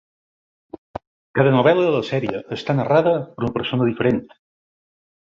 Cada novel·la de la sèrie està narrada per una persona diferent.